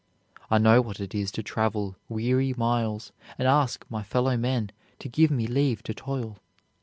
I know what it is to travel weary miles and ask my fellow men to give me leave to toil.